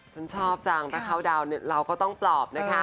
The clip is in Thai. ฉันชอบจังถ้าเข้าดาวน์เราก็ต้องปลอบนะคะ